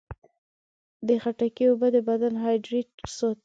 د خټکي اوبه د بدن هایډریټ ساتي.